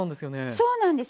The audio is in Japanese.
そうなんです。